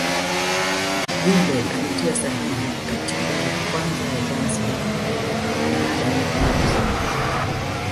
Jumbe alitia sahihi katiba ya kwanza ya Zanzibar baada ya mapinduzi